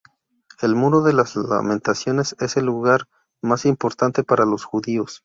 El Muro de las Lamentaciones es el lugar más importante para los judíos.